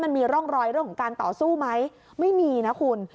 มันมีร่องรอยเรื่องของการต่อสู้ไหมไม่มีนะคุณ